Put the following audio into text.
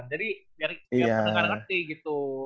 jadi biar diangkat angkat